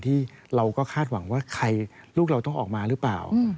ที่เราก็คาดหวังว่าลูกเราต้องออกมาหรือเปล่า